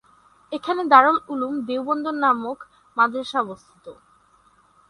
এখানে দারুল উলুম দেওবন্দ নামক মাদ্রাসা অবস্থিত।